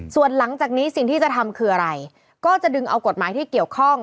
ส่วนหลังจากนี้สิ่งที่จะทำคืออะไรก็จะดึงเอากฎหมายที่เกี่ยวข้อง